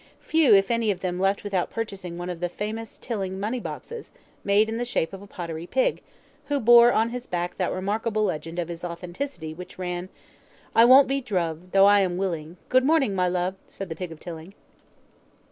Few if any of them left without purchasing one of the famous Tilling money boxes, made in the shape of a pottery pig, who bore on his back that remarkable legend of his authenticity which ran: "I won't be druv, Though I am willing, Good morning, my love, Said the Pig of Tilling."